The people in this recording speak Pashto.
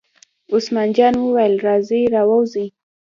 عثمان جان وویل: راځئ را ووځئ.